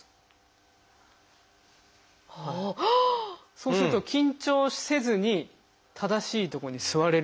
そうすると緊張せずに正しいとこに座れるんですね。